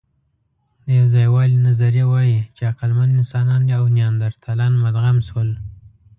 د یوځایوالي نظریه وايي، چې عقلمن انسانان او نیاندرتالان مدغم شول.